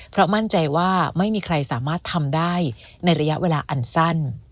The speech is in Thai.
เพราะมั่นใจว่าไม่มีใครสามารถทำได้ในระยะเวลาอันสั้น